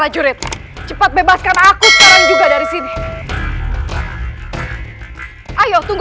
kita bersama mereka